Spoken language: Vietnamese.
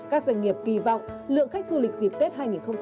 các doanh nghiệp kỳ vọng lượng khách du lịch dịp tết hai nghìn hai mươi bốn